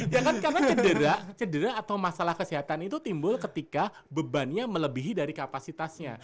ya kan karena cedera cedera atau masalah kesehatan itu timbul ketika bebannya melebihi dari kapasitasnya